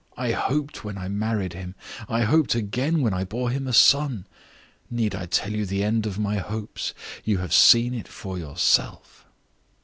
I hoped when I married him; I hoped again when I bore him a son. Need I tell you the end of my hopes you have seen it for yourself.